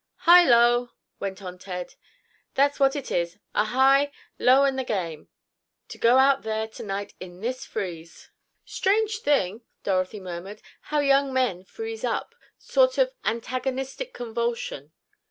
"'High low,'" went on Ted. "That's what it is. A high—low and the game! To go out there to night in this freeze!" "Strange thing," Dorothy murmured, "how young men freeze up—sort of antagonistic convulsion."